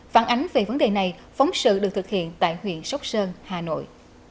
phản ánh về vấn đề này phóng sự được thực hiện tại huyện sóc sơn hà nội